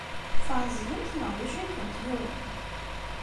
Tɛeẓgemt neɣ d acu ay kent-yuɣen?